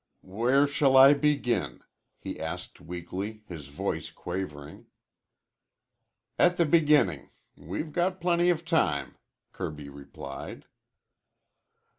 "Where shall I begin?" he asked weakly, his voice quavering. "At the beginning. We've got plenty of time," Kirby replied.